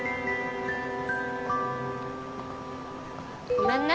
ごめんね。